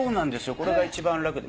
これが一番楽で。